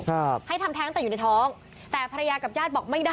ครับให้ทำแท้งแต่อยู่ในท้องแต่ภรรยากับญาติบอกไม่ได้